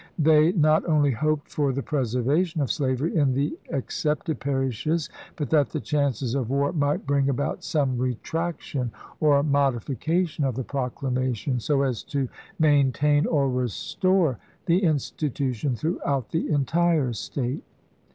They not only hoped for the preservation of slavery in the excepted parishes, but that the chances of war might bring about some retraction or modification of the Proclamation, so as to maintain or restore the institution throughout the entire State.